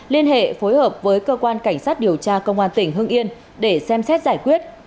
liên hệ phối hợp với cơ quan cảnh sát điều tra công an tỉnh hưng yên để xem xét giải quyết